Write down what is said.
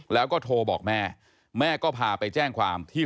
แล้วก็โทรบอกแม่แม่ก็พาไปแจ้งความที่